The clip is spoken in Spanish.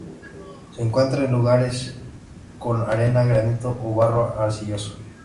Se encuentra en lugares con arena, granito o barro arcilloso.